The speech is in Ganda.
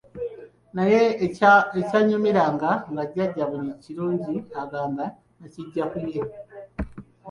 Naye ekyannyumiranga nga jjajja buli kirungi agamba nakiggya ku ye.